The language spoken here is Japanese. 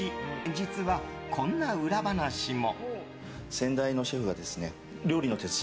実は、こんな裏話も。